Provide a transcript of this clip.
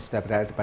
atau pada gerakan